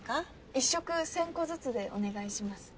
１色１０００個ずつでお願いします。